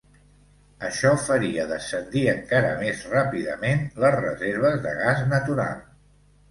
Això faria descendir encara més ràpidament les reserves de gas natural.